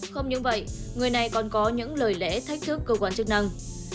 không những vậy người này còn có những lời lẽ thách thức cơ quan chức năng